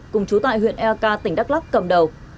cùng chú tại huyện lk tỉnh đắk lắk cầm đầu